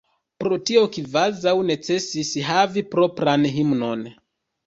Pro tio kvazaŭ necesis havi propran himnon.